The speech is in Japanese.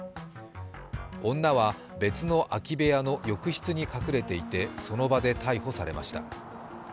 女は別の空き部屋の浴室に隠れていて、その場で逮捕されました。